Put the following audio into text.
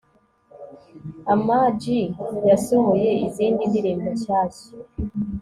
amaji yasohoye izindi ndirimbo nshyashya